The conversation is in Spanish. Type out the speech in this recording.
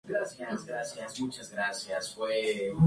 Ambos dulces son masas esculpidas en molde de hierro.